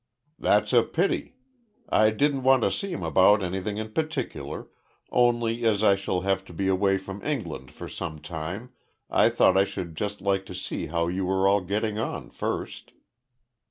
"That's a pity. I didn't want to see him about anything in particular, only as I shall have to be away from England some time, I thought I should just like to see how you were all getting on first."